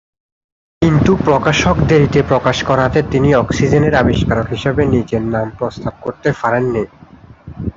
কিন্তু প্রকাশক দেরিতে প্রকাশ করাতে তিনি অক্সিজেনের আবিষ্কারক হিসেবে নিজের নাম প্রস্তাব করতে পারেননি।